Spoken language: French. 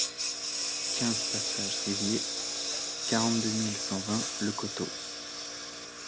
quinze passage Rivier, quarante-deux mille cent vingt Le Coteau